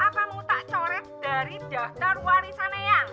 apa mau tak coret dari daftar warisan eang